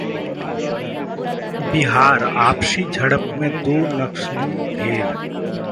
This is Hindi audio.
बिहार: आपसी झड़प में दो नक्सली ढेर